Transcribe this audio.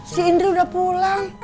si indri udah pulang